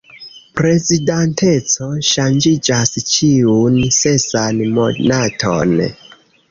Prezidanteco ŝanĝiĝas ĉiun sesan monaton.